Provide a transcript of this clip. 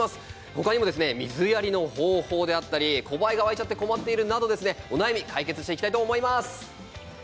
他にも水やりの方法があったりコバエがわいちゃって困っているなどお悩みを解決していきます。